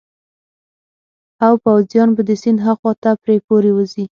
او پوځیان به د سیند هاخوا ته پرې پورې ووزي.